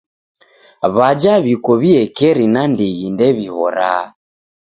W'aja w'iko w'iekeri nandighi ndew'ihoraa.